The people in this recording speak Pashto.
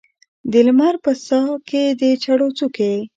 د لمر په ساه کې د چړو څوکې